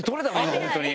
今本当に。